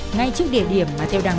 ngay trước địa điểm mà thêu đang ở